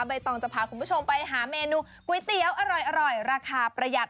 ใบตองจะพาคุณผู้ชมไปหาเมนูก๋วยเตี๋ยวอร่อยราคาประหยัด